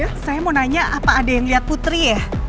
maaf bu saya mau nanya apa ada yang liat putri ya